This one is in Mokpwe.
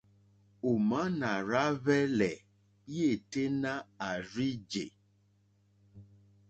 Òmá nà rzá hwɛ̄lɛ̀ yêténá à rzí jè.